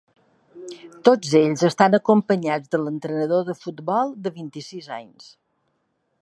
Tots ells estan acompanyats de l’entrenador de futbol, de vint-i-sis anys.